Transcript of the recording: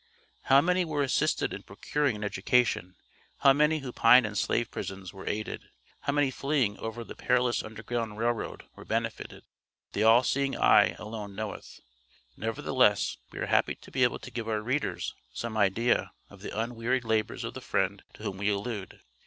How many were assisted in procuring an education, how many who pined in slave prisons were aided, how many fleeing over the perilous Underground Rail Road were benefited, the All seeing Eye alone knoweth; nevertheless, we are happy to be able to give our readers some idea of the unwearied labors of the friend to whom we allude.